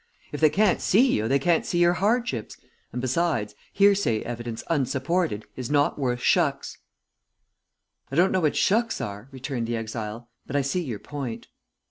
If they can't see you they can't see your hardships, and besides, hearsay evidence unsupported is not worth shucks." "I don't know what shucks are," returned the exile, "but I see your point."